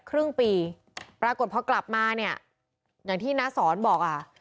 ครึ่งปีปรากฏพอกลับมาเนี่ยอย่างที่น้าสอนบอกอ่ะ